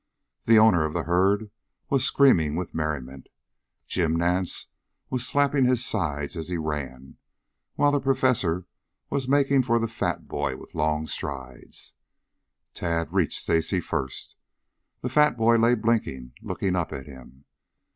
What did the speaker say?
The owner of the herd was screaming with, merriment, Jim Nance was slapping his sides as he ran, while the Professor was making for the fat boy with long strides. Tad reached Stacy first. The fat boy lay blinking, looking up at him.